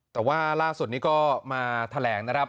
แต่ว่าล่าสุดนี้ก็มาแถลงนะครับ